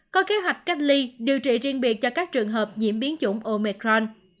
có kế hoạch cách ly điều trị riêng biệt cho các trường hợp nhiễm biến chủng omecron